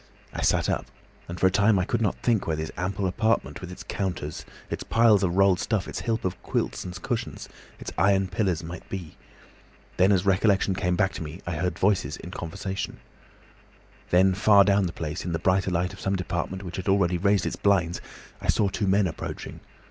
I sat up, and for a time I could not think where this ample apartment, with its counters, its piles of rolled stuff, its heap of quilts and cushions, its iron pillars, might be. Then, as recollection came back to me, I heard voices in conversation. "Then far down the place, in the brighter light of some department which had already raised its blinds, I saw two men approaching.